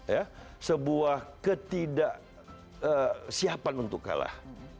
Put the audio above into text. ya sebuah ketidaksiapan untuk kalah